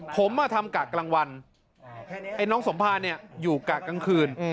ผมมาทำกะกลางวันไอ้น้องสมภารอยู่กะกลางคืน